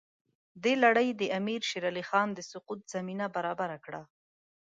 دا لړۍ د امیر شېر علي خان د سقوط زمینه برابره کړه.